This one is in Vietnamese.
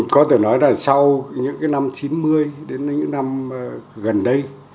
có thể nói là sau những năm chín mươi đến những năm gần đây